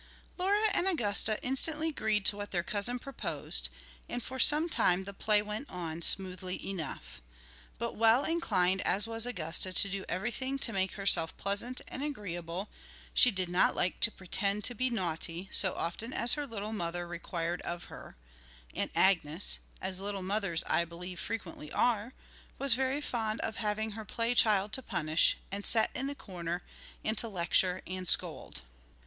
Laura and Augusta instantly agreed to what their cousin proposed, and for some time the play went on smoothly enough. But well inclined as was Augusta to do everything to make herself pleasant and agreeable, she did not like to 'pretend to be naughty' so often as her little mother required of her; and Agnes, as little mothers, I believe, frequently are, was very fond of having her play child to punish, and set in the corner, and to lecture and scold.